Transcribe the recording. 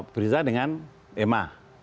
firza dengan emma